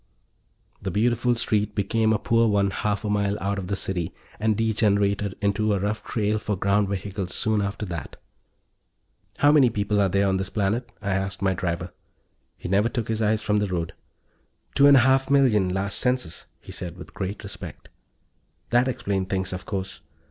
The beautiful street became a poor one half a mile out of the city, and degenerated into a rough trail for ground vehicles soon after that. "How many people are there on this planet?" I asked my driver. He never took his eyes from the road. "Two and a half million, last census," he said, with great respect. That explained things, of course.